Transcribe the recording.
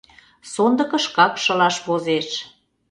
Сондыкышкак шылаш возеш.